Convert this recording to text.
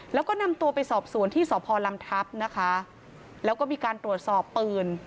แล้วก็นำตัวไปสอบสวนที่สพลำทัพนะคะแล้วก็มีการตรวจสอบปืน